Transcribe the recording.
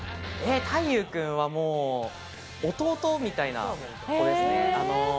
大祐君はもう、弟みたいな子ですね。